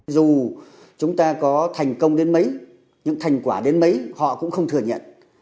dù chúng ta có thành công đến mấy những thành quả đến mấy họ cũng không thừa nhận